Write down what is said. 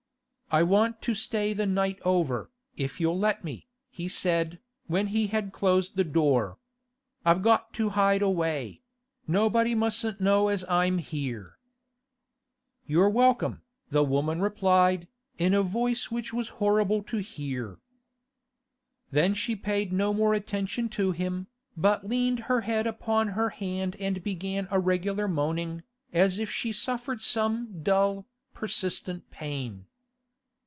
'I want to stay the night over, if you'll let me.' he said, when he had closed the door. 'I've got to hide away; nobody mustn't know as I'm here.' 'You're welcome,' the woman replied, in a voice which was horrible to hear. Then she paid no more attention to him, but leaned her head upon her hand and began a regular moaning, as if she suffered some dull, persistent pain.